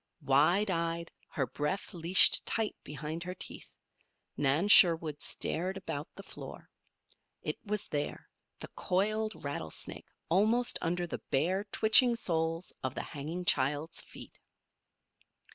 Wide eyed, her breath leashed tight behind her teeth, Nan Sherwood stared about the floor. It was there, the coiled rattlesnake, almost under the bare, twitching soles of the hanging child's feet.